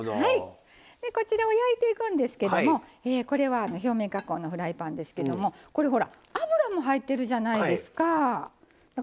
こちらを焼いていくんですけれど表面加工のフライパンですけど油も入ってるじゃないですか。